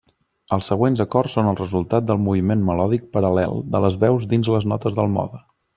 Els següents acords són el resultat del moviment melòdic paral·lel de les veus dins les notes del mode.